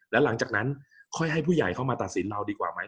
แล้วหลังจากนั้นค่อยให้ผู้ใหญ่เข้ามาตัดสินเราดีกว่าไหม